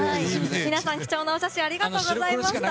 皆さん貴重なお写真ありがとうございました。